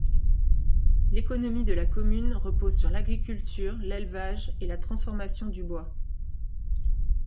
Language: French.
L'économie de la commune repose sur l'agriculture, l'élevage et la transformation du bois.